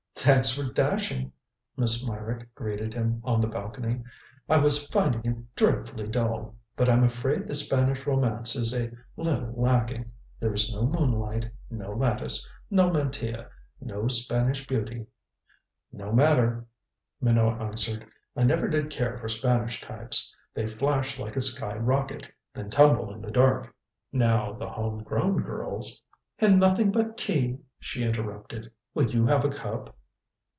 "Thanks for dashing," Miss Meyrick greeted him, on the balcony. "I was finding it dreadfully dull. But I'm afraid the Spanish romance is a little lacking. There is no moonlight, no lattice, no mantilla, no Spanish beauty." "No matter," Minot answered. "I never did care for Spanish types. They flash like a sky rocket then tumble in the dark. Now, the home grown girls " "And nothing but tea," she interrupted. "Will you have a cup?"